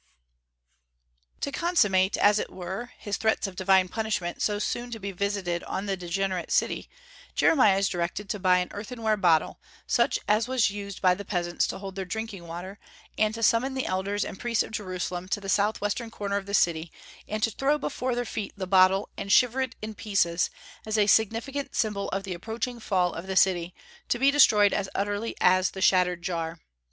And to consummate, as it were, his threats of divine punishment so soon to be visited on the degenerate city, Jeremiah is directed to buy an earthenware bottle, such as was used by the peasants to hold their drinking water, and to summon the elders and priests of Jerusalem to the southwestern corner of the city, and to throw before their feet the bottle and shiver it in pieces, as a significant symbol of the approaching fall of the city, to be destroyed as utterly as the shattered jar.